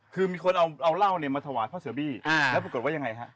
คือมีคนเอาเหล้าเนี่ยมาถวายพ่อเสือบี้แล้วปรากฏว่ายังไงฮะ